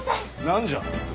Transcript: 何じゃ？